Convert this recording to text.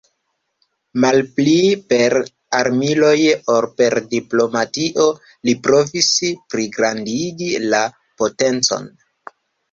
Malpli per armiloj ol per diplomatio li provis pligrandigi la potencon.